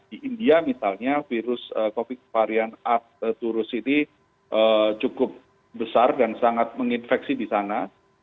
di india misalnya virus covid varian a turus ini cukup besar dan sangat menginfeksi di sana